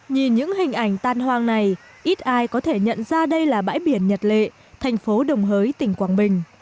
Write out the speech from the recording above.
nhìn những hình ảnh tan hoang này ít ai có thể nhận ra đây là bãi biển nhật lệ thành phố đồng hới tỉnh quảng bình